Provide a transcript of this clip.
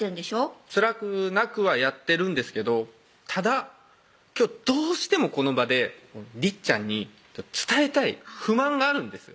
つらくなくはやってるんですけどただ今日どうしてもこの場でりっちゃんに伝えたい不満があるんですよ